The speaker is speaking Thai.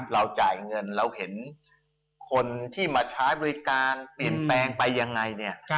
เราจ่ายเงินเราเห็นคนที่มาใช้บริการเปลี่ยนแปลงไปยังไงเนี่ย